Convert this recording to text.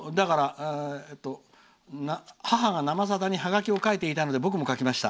「母が「生さだ」にはがきを書いていたので僕も書きました。